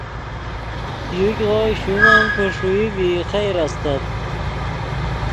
یوګغو شوم ام کہ ݰوئی ڤی خیر استت